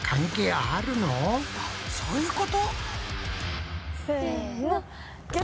あっこういうこと？